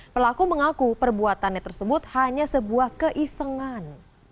pelaku mengaku perbuatannya tersebut hanya sebuah keisengan